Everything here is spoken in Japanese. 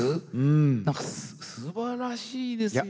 何かすばらしいですよね。